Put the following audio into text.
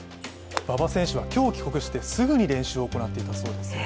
馬場選手は今日帰国してすぐに練習を行っていたそうですよ。